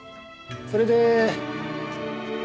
それで。